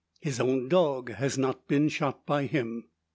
His own dog has not been shot by him.